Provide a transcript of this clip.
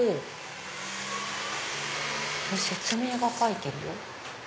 説明が書いてるよ。